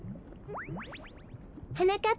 はなかっ